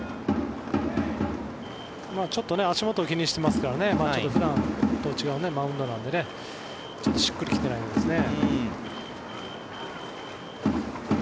ちょっと足元を気にしていますから普段と違うマウンドなのでねちょっとしっくり来てないようですね。